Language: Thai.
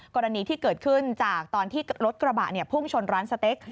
กรณีที่เกิดขึ้นจากตอนที่รถกระบะพุ่งชนร้านสเต็ก